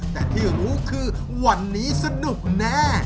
แต่ที่รู้คือวันนี้สนุกแน่